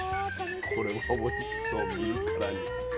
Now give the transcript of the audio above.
これはおいしそう見るからに。